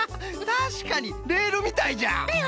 たしかにレールみたいじゃ。だよね！